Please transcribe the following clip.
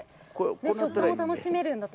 食感も楽しめるんです。